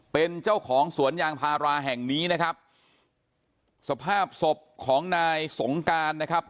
เป็นเจ้าของสวนยางพาราแห่งนี้นะครับสภาพศพของนายสงการนะครับ